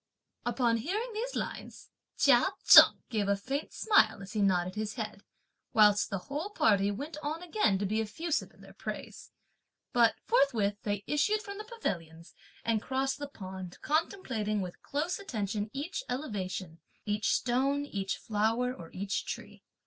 Upon hearing these lines, Chia Cheng gave a faint smile, as he nodded his head, whilst the whole party went on again to be effusive in their praise. But forthwith they issued from the pavilions, and crossed the pond, contemplating with close attention each elevation, each stone, each flower, or each tree.